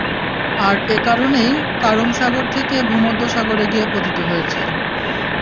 আর এ কারণেই কারম সাগর থেকে ভূমধ্যসাগরে গিয়ে পতিত হয়েছে।